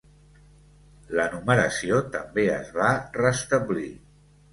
La numeració també es va restablir.